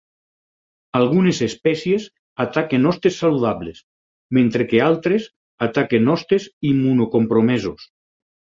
Algunes espècies ataquen hostes saludables, mentre que altres ataquen hostes immunocompromesos.